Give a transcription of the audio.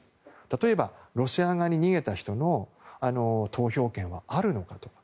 例えば、ロシア側に逃げた人の投票権はあるのかどうか。